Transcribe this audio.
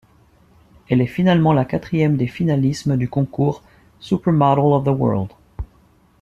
Elle est finalement la quatrième des finalismes du concours Supermodel of the World.